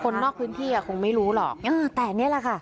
นอกพื้นที่อ่ะคงไม่รู้หรอกแต่นี่แหละค่ะ